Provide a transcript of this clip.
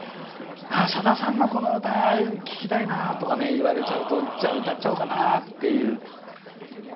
さださんのこの歌、聴きたいなとか言われちゃうとじゃあ歌っちゃおうかなと。